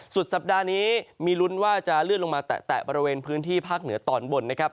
สุดสัปดาห์นี้มีลุ้นว่าจะเลื่อนลงมาแตะบริเวณพื้นที่ภาคเหนือตอนบนนะครับ